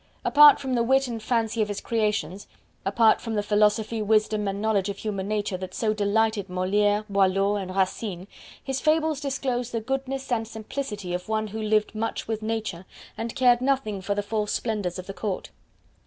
Apart from the wit and fancy of his creations apart from the philosophy, wisdom, and knowledge of human nature that so delighted Moliere, Boileau and Racine his Fables disclose the goodness and simplicity of one who lived much with Nature, and cared nothing for the false splendors of the court.